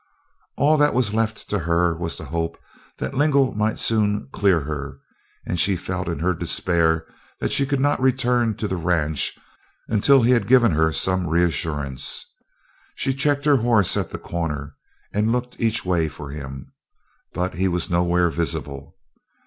All that was left to her was the hope that Lingle might soon clear her, and she felt in her despair that she could not return to the ranch until he had given her some reassurance. She checked her horse at the corner and looked each way for him, but he was nowhere visible.